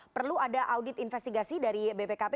perlu ada audit investigasi dari bpkp